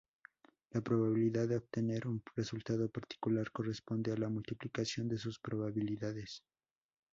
La probabilidad de obtener un resultado particular corresponde a la multiplicación de sus probabilidades.